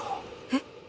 えっ？